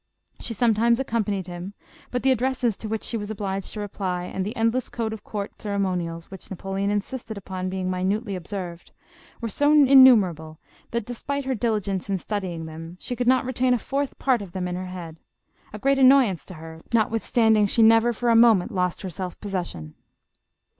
She sometimes accompanied him, but the addresses to which she was obliged to reply, and the endless code of court ceremonials which Napoleon insisted upon being minutely observed, were so innumerable that despite her diligence in studying them, she could not retain a fourth part of them in her head — a great an noyance to her, notwithstanding she never for a mo ment lost her self possession.